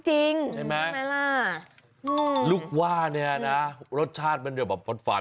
ใช่ไหมล่ะลูกว่าเนี่ยนะรสชาติมันเหลือแบบฝัน